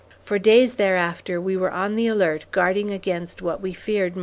For days thereafter, we were on the alert guarding against what we feared might happen.